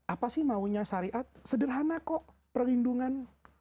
apa sih maunya syariat sederhana kok perlindungan